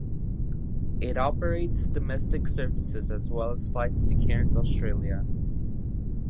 It operates domestic services, as well as flights to Cairns, Australia.